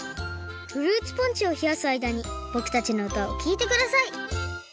フルーツポンチをひやすあいだにぼくたちのうたをきいてください！